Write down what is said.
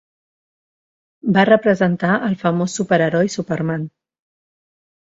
Va representar el famós superheroi Superman.